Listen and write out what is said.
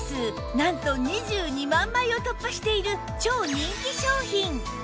なんと２２万枚を突破している超人気商品